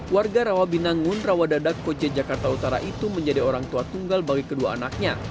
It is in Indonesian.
warga rawabinangun rawadadak koce jakarta utara itu menjadi orang tua tunggal bagi kedua anaknya